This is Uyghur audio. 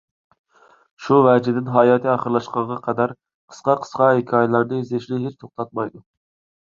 شۇ ۋەجىدىن، ھاياتى ئاخىرلاشقانغا قەدەر قىسقا-قىسقا ھېكايىلەرنى يېزىشنى ھېچ توختاتمايدۇ.